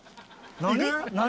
何？